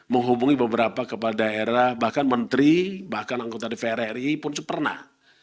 menghubungi beberapa kepala daerah bahkan menteri bahkan anggota dpr ri pun pernah